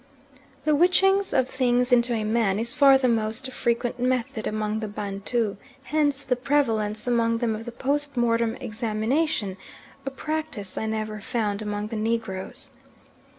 The witching of things into a man is far the most frequent method among the Bantu, hence the prevalence among them of the post mortem examination, a practice I never found among the Negroes.